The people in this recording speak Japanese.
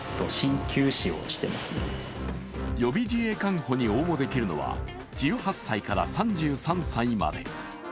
予備自衛官補に応募できるのは１８歳から３３歳まで。